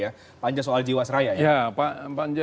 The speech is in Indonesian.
ya panja soal jiwasraya ya ya pak panja